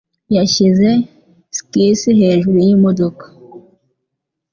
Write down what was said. Yashyize skisi hejuru yimodoka.